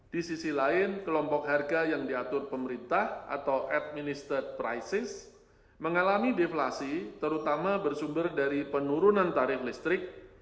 di sisi lain kelompok harga yang diatur pemerintah atau administrad prices mengalami deflasi terutama bersumber dari penurunan tarif listrik